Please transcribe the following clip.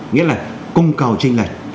nghĩa là cung cầu trinh lệch